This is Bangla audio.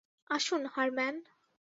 আসুন, হারম্যান।